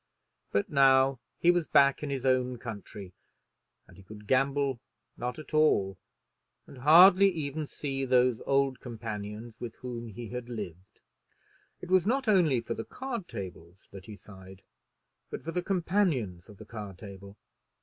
But now he was back in his own country, and he could gamble not at all, and hardly even see those old companions with whom he had lived. It was not only for the card tables that he sighed, but for the companions of the card table.